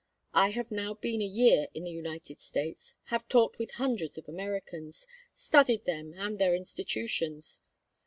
I have now been a year in the United States, have talked with hundreds of Americans, studied them and their institutions.